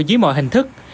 dưới mọi hình thức